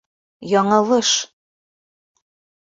Яңылыш...